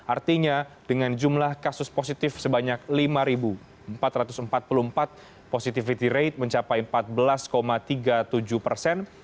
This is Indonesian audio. artinya dengan jumlah kasus positif sebanyak lima empat ratus empat puluh empat positivity rate mencapai empat belas tiga puluh tujuh persen